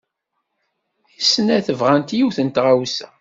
Deg snat bɣant yiwet n tɣawsa.